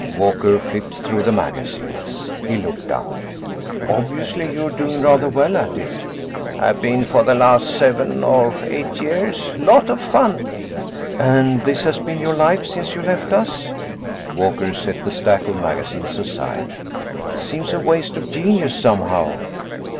Walker flipped through the magazines; he looked up. "Obviously, you're doing rather well at it." "Have been for the last seven or eight years. Lot of fun." "And this has been your life since you left us?" Walker set the stack of magazines aside. "Seems a waste of genius, somehow."